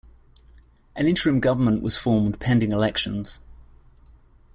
An interim government was formed pending elections.